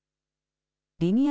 リニア